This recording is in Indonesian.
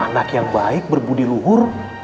andak yang baik berbudiluhur